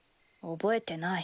覚えてない。